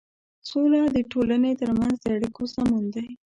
سوله د ټولنې تر منځ د اړيکو سمون دی.